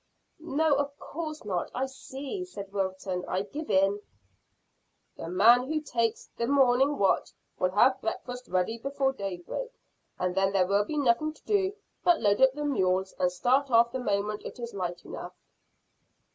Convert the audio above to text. "No, of course not. I see," said Wilton. "I give in." "The man who takes the morning watch will have breakfast ready before daybreak, and then there will be nothing to do but load up the mules and start off the moment it is light enough."